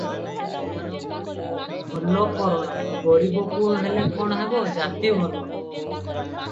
ଭଲ କରଣ, ଗରିବ ପୁଅ ହେଲେ କ’ଣ ହେବ, ଜାତି ଭଲ ।